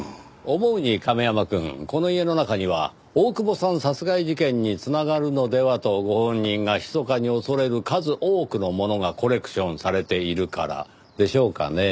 思うに亀山くんこの家の中には大久保さん殺害事件に繋がるのではとご本人がひそかに恐れる数多くのものがコレクションされているからでしょうかねぇ。